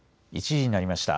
１時になりました。